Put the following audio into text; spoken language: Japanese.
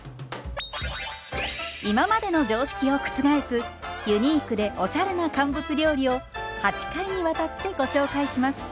今までの常識を覆すユニークでおしゃれな乾物料理を８回にわたってご紹介します。